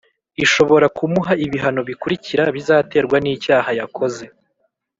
ishobora kumuha ibihano bikurikira bizaterwa nicyaha yakoze